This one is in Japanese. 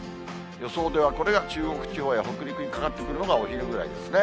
予想ではこれが中国地方や北陸にかかってくるのがお昼ぐらいですね。